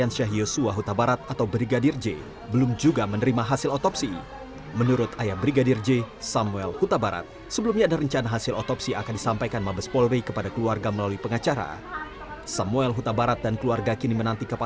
sampai jumpa di video selanjutnya